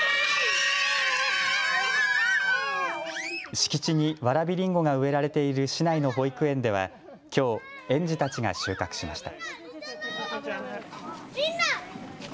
敷地にわらびりんごが植えられている市内の保育園ではきょう園児たちが収穫しました。